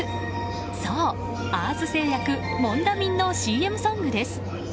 そう、アース製薬モンダミンのＣＭソングです。